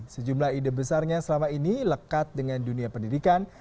sejumlah ide besarnya selama ini lekat dengan dunia pendidikan